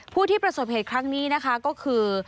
ผู้ที่ประสบเหตุครั้งนี้นะคะก็คือ